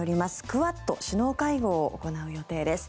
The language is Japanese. クアッド首脳会合を行う予定です。